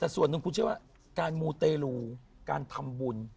แต่ส่วนหนึ่งคุณเชื่อว่าการมูเตรลูการทำบุญ